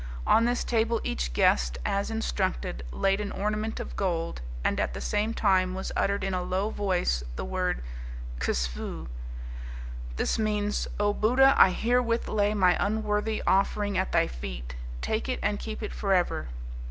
On this table each guest, as instructed, laid an ornament of gold, and at the same time was uttered in a low voice the word Ksvoo. This means, "O Buddha, I herewith lay my unworthy offering at thy feet; take it and keep it for ever."